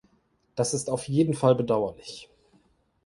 Das ist auf jeden Fall bedauerlich.